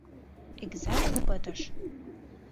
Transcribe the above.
Экзамен пытыш.